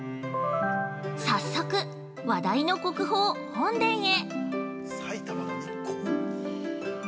◆早速、話題の国宝、本殿へ。